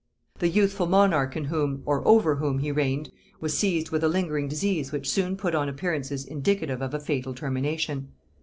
The youthful monarch in whom, or over whom, he reigned, was seized with a lingering disease which soon put on appearances indicative of a fatal termination.